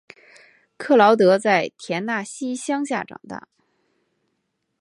克劳德在田纳西乡下长大。